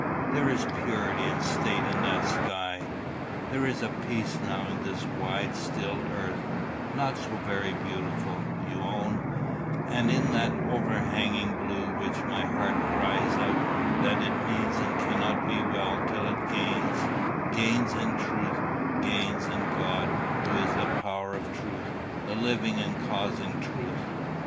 There is purity and state in that sky. There is a peace now in this wide still earth not so very beautiful, you own and in that overhanging blue, which my heart cries out that it needs and cannot be well till it gains gains in the truth, gains in God, who is the power of truth, the living and causing truth.